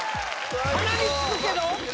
鼻につくけどＯＫ！